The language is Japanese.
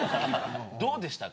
どうでしたか？